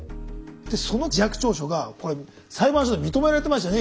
その自白調書が裁判所で認められてましたね